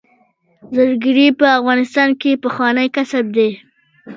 زرګري په افغانستان کې پخوانی کسب دی